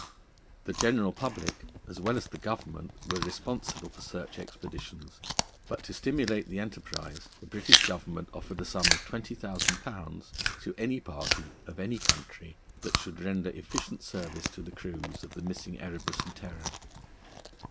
The general public, as well as the Government, were responsible for search expeditions; but to stimulate the enterprise, the British Government offered a sum of £20,000 to any party of any country that should render efficient service to the crews of the missing Erebus and Terror.